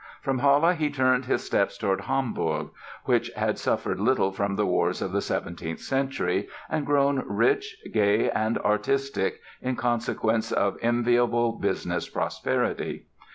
From Halle he turned his steps toward Hamburg, which had suffered little from the wars of the 17th Century, and grown rich, gay and artistic in consequence of enviable business prosperity.